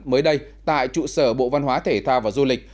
mới đây tại trụ sở bộ văn hóa thể thao và du lịch